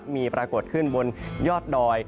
มีปรากฏขึ้นบนยอดดอย